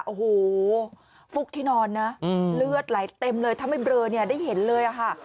โอ้โหฟุกที่นอนนะเลือดไหลเต็มเลยถ้าไม่เบลอเนี่ยได้เห็นเลยอะค่ะ